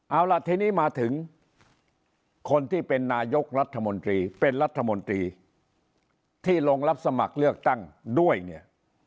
เอาล่ะทีนี้มาถึงคนที่เป็นนายกรัฐมนตรีเป็นรัฐมนตรีที่ลงรับสมัครเลือกตั้งด้วยเนี่ย